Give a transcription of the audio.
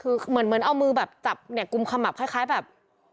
คือเหมือนเอามือแบบจับเนี่ยกุมขมับคล้ายแบบ